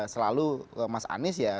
selalu mas anies ya